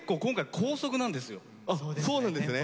あそうなんですね。